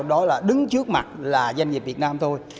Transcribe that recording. đó là đứng trước mặt là doanh nghiệp việt nam thôi